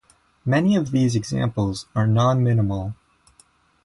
Many of these examples are non-minimal.